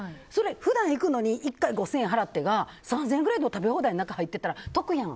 普段いくのに１回５０００円払ってが３０００円ぐらいの食べ放題の中に入ってたら得やん。